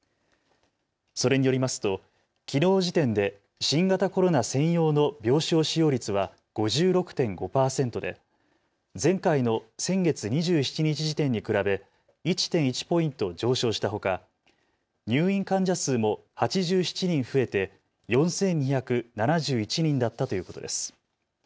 それによりますと、きのう時点で新型コロナ専用の病床使用率は５６．５％で前回の先月２７日時点に比べ１．１ポイント上昇したほか入院患者数も８７人増えて４２７１人だったということです。